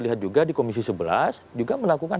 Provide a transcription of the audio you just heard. lihat juga di komisi sebelas juga melakukan